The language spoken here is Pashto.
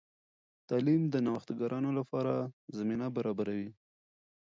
تعلیم د نوښتګرانو لپاره زمینه برابروي.